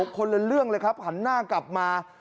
คนละเรื่องเลยครับหันหน้ากลับมา